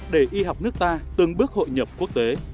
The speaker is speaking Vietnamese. để y học nước ta từng bước hội nhập quốc tế